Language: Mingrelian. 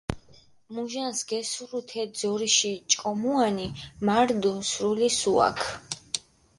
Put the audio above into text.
მუჟანს გესურუ თე ძორიში ჭკომუანი, მარდუ სრული სუაქ.